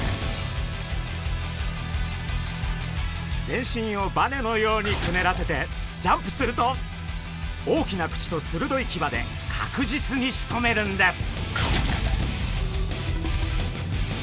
全身をバネのようにくねらせてジャンプすると大きな口とするどいキバで確実にしとめるんです！